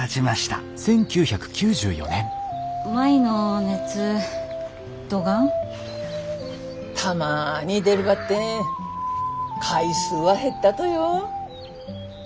たまに出るばってん回数は減ったとよ。